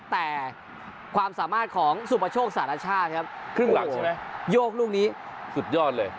แต่ความสามารถของสุปโชคสารชาติครับครึ่งหลังใช่ไหมโยกลูกนี้สุดยอดเลย